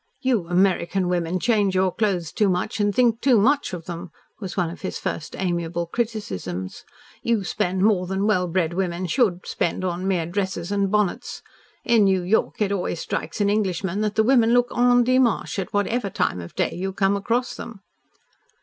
"You American women change your clothes too much and think too much of them," was one of his first amiable criticisms. "You spend more than well bred women should spend on mere dresses and bonnets. In New York it always strikes an Englishman that the women look endimanche at whatever time of day you come across them."